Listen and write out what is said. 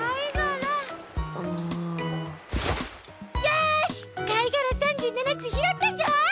よしかいがら３７つひろったぞ！